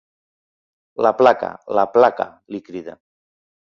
La placa, la placa, li crida.